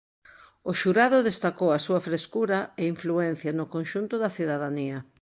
O xurado destacou a súa frescura e influencia no conxunto da cidadanía.